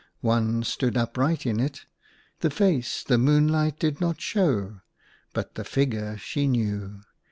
One stood upright in it ; the face the moonlight did not show, but the figure she knew.